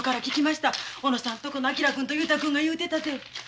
小野さんとこの昭君と雄太君が言うてたて。